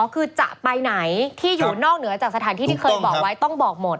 คือจะไปไหนที่อยู่นอกเหนือจากสถานที่ที่เคยบอกไว้ต้องบอกหมด